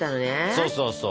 そうそうそう。